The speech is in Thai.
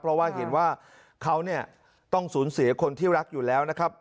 เพราะว่าเห็นว่าเขาเนี่ยต้องสูญเสียคนที่รักอยู่แล้วนะครับ